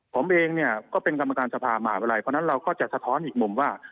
ผมเองเนี่ยก็เป็นกรรมการสภามหาวิทยาลัยเพราะฉะนั้นเราก็จะสะท้อนอีกมุมว่า